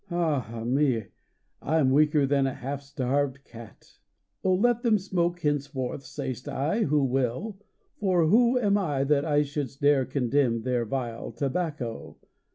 Ah, me! I m weaker than a half starved cat. Oh, let them smoke henceforth, say st I, who will, For who am I that I shouldst dare condemn Their vile tobacco?